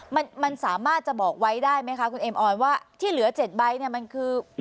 มันมันสามารถจะบอกไว้ได้ไหมคะคุณเอ็มออนว่าที่เหลือเจ็ดใบเนี่ยมันคือ